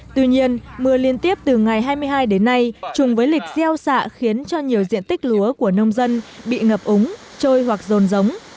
tuy nhiên mưa liên tiếp từ ngày hai mươi hai đến nay trùng với lịch gieo xạ khiến cho nhiều diện tích lúa của nông dân bị ngập úng trôi hoặc rồn giống